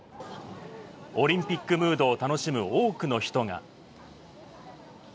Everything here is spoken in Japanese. オリンピックムードを楽しむ多くの人が。